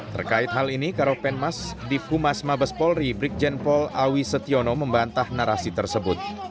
terkait hal ini karopenmas divkumas mabespolri brikjenpol awi setiono membantah narasi tersebut